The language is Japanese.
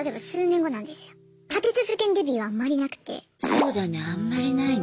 そうだねあんまりないね。